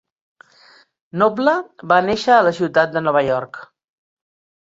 Noble va néixer a la ciutat de Nova York.